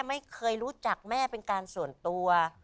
ไม่เคยรู้จักแม่เป็นการส่วนตัว